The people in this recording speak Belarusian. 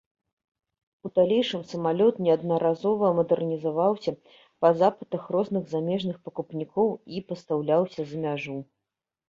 У далейшым самалёт неаднаразова мадэрнізаваўся па запытах розных замежных пакупнікоў і пастаўляўся за мяжу.